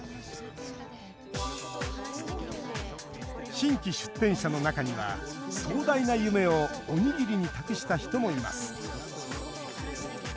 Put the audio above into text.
新規出店者の中には壮大な夢をおにぎりに託した人もいます